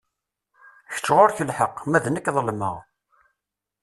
Kečč ɣur-k lḥeqq, ma d nekk ḍelmeɣ.